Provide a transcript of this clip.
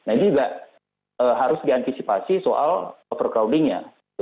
nah ini juga harus diantisipasi soal overcrowding nya